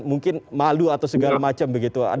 mungkin malu atau segala macam begitu